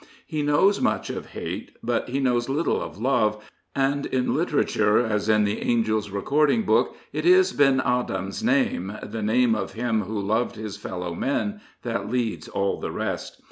He knows much of hate, but he knows little of love, and in literature, as in the angel's recording book, it is Ben Adhem's name, the name of him who loved his fellow men, that leads all the rest.